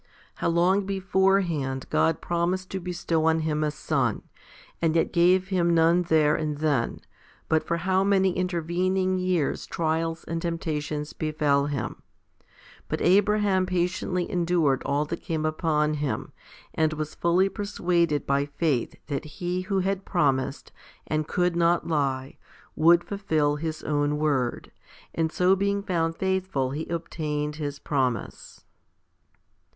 How long beforehand God promised to bestow on him a son, and yet gave him none there and then, but for how many intervening years trials and temptations befell him ! But Abraham patiently endured all that came upon him, and was fully persuaded by faith that He who had promised, and could not lie, would fulfil His own word, and so being found faithful he obtained his promise.